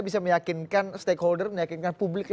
bisa meyakinkan stakeholder meyakinkan publik